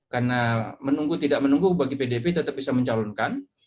karena menunggu tidak menunggu bagi pdip tetap bisa mencalonkan